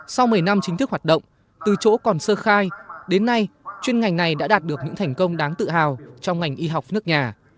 sau một mươi năm chính thức hoạt động từ chỗ còn sơ khai đến nay chuyên ngành này đã đạt được những thành công đáng tự hào trong ngành y học nước nhà